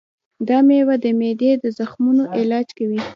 دا مېوه د معدې د زخمونو علاج کوي.